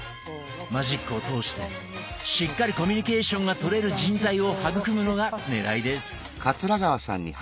マジックを通してしっかりコミュニケーションが取れる人材を育むのがねらいです。